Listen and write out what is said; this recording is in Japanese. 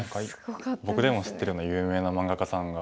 僕でも知ってるような有名な漫画家さんが。